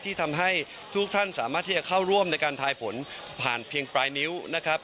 ที่ทำให้ทุกท่านสามารถที่จะเข้าร่วมในการทายผลผ่านเพียงปลายนิ้วนะครับ